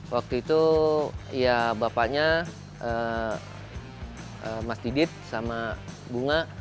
waktu itu ya bapaknya mas didit sama bunga